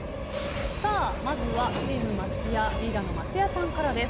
さあまずはチーム松也リーダーの松也さんからです。